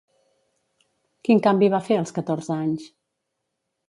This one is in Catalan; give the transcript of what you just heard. Quin canvi va fer als catorze anys?